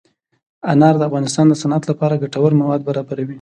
انار د افغانستان د صنعت لپاره ګټور مواد برابروي.